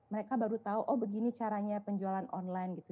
mereka baru tahu oh begini caranya penjualan online gitu